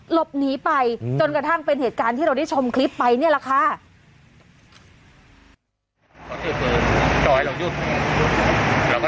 หลบหนีไปจนกระทั่งเป็นเหตุการณ์ที่เราได้ชมคลิปไปนี่แหละค่ะ